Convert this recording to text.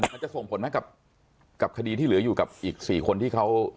้นี่ก็จะทรงผลไหมกับคดีที่เหลืออยู่กับอีกสี่คนที่เค้า